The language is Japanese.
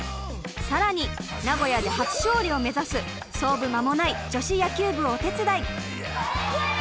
更に名古屋で初勝利を目指す創部間もない女子野球部をお手伝い。